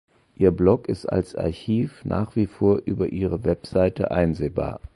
Ihr Blog ist als Archiv nach wie vor über ihre Website einsehbar.